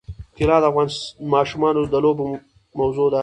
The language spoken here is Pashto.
طلا د افغان ماشومانو د لوبو موضوع ده.